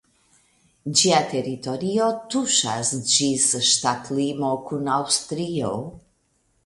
Ĝia teritorio tuŝas ĝis ŝtatlimo kun Aŭstrio.